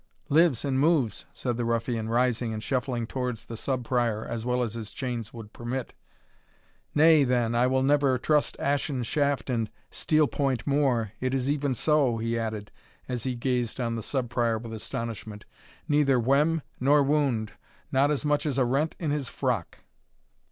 "Lives and moves!" said the ruffian, rising and shuffling towards the Sub Prior as well as his chains would permit; "nay, then, I will never trust ashen shaft and steel point more It is even so," he added, as he gazed on the Sub Prior with astonishment; "neither wem nor wound not as much as a rent in his frock!"